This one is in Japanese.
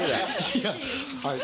いやはい。